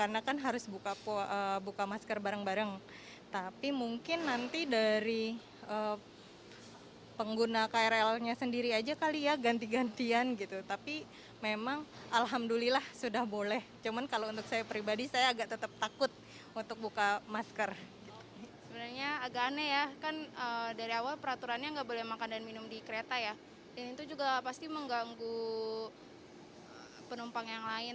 dari awal peraturannya tidak boleh makan dan minum di kereta ya dan itu juga pasti mengganggu penumpang yang lain